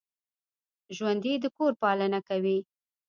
ژوندي د کور پالنه کوي